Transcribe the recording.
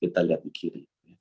kita lihat di kiri